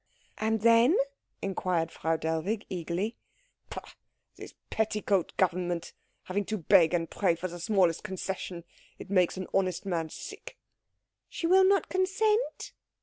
"And then?" inquired Frau Dell wig eagerly. "Pah this petticoat government having to beg and pray for the smallest concession it makes an honest man sick." "She will not consent?"